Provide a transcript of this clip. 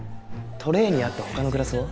トレーにあった他のグラスは？